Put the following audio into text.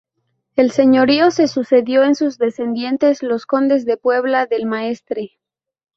El señorío se sucedió en sus descendientes los condes de la Puebla del Maestre.